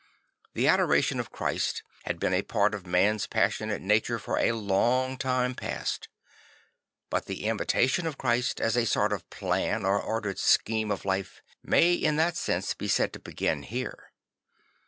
The adoration of Christ had been a part of the man's passionate nature for a long time past. But the imitation of Christ, as a sort of plan or ordered scheme of life, may in that sense be said to begin here.